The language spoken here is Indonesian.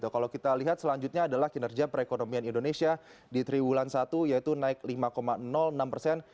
kalau kita lihat selanjutnya adalah kinerja perekonomian indonesia di triwulan satu yaitu naik lima enam persen